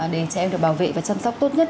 để trẻ em được bảo vệ và chăm sóc tốt nhất